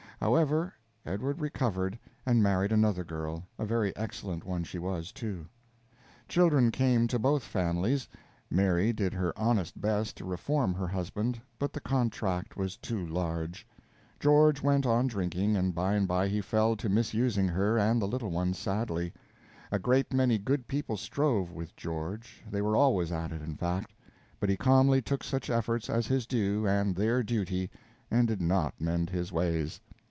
However, Edward recovered, and married another girl a very excellent one she was, too. Children came to both families. Mary did her honest best to reform her husband, but the contract was too large. George went on drinking, and by and by he fell to misusing her and the little ones sadly. A great many good people strove with George they were always at it, in fact but he calmly took such efforts as his due and their duty, and did not mend his ways.